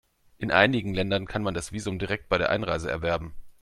In einigen Ländern kann man das Visum direkt bei der Einreise erwerben.